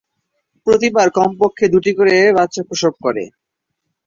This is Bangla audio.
প্রতিবার কমপক্ষে দুটি করে বাচ্চা প্রসব করে।